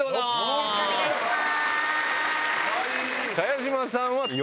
よろしくお願いします。